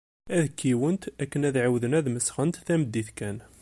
Ad kiwent akken ad ɛiwdent ad mesxent tameddit kan.